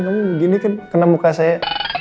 kamu begini kan kena muka saya